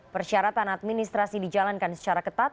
persyaratan administrasi dijalankan secara ketat